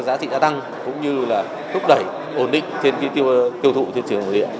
giá trị đã tăng cũng như là thúc đẩy ổn định trên tiêu thụ trên trường mối địa